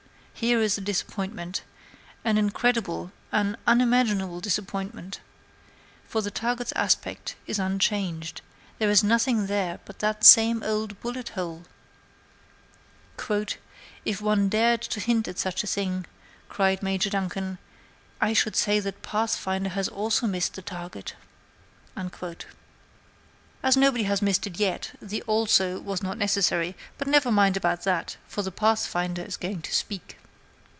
here is a disappointment; an incredible, an unimaginable disappointment for the target's aspect is unchanged; there is nothing there but that same old bullet hole! "'If one dared to hint at such a thing,' cried Major Duncan, 'I should say that the Pathfinder has also missed the target!'" As nobody had missed it yet, the "also" was not necessary; but never mind about that, for the Pathfinder is going to speak.